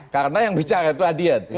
karena yang bicara itu adian